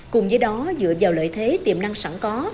cùng với đó dựa vào lợi thế tiềm năng sẵn có